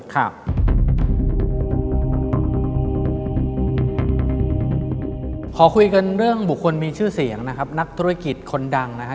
ขอคุยกันเรื่องบุคคลมีชื่อเสียงนะครับนักธุรกิจคนดังนะฮะ